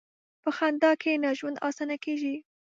په خندا کښېنه، ژوند اسانه کېږي.